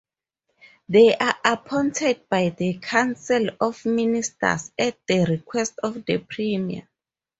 They are appointed by the Council of Ministers at the request of the Premier.